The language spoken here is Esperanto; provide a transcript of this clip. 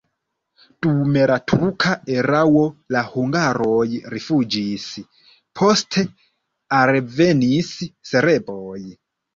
Dum la turka erao la hungaroj rifuĝis, poste alvenis serboj.